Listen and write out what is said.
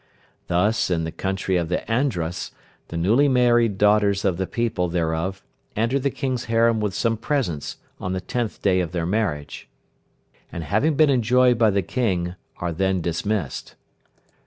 Thus in the country of the Andras the newly married daughters of the people thereof enter the King's harem with some presents on the tenth day of their marriage, and having been enjoyed by the King are then dismissed.